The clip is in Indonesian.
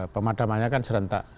pemadamannya kan serentak